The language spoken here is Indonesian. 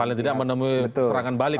paling tidak menemui serangan balik